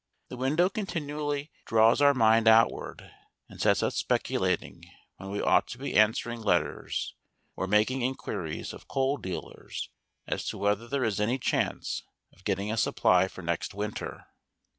This window continually draws our mind outward and sets us speculating, when we ought to be answering letters or making inquiries of coal dealers as to whether there is any chance of getting a supply for next winter.